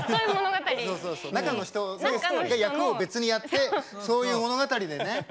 中の人が別にやってそういう物語でね。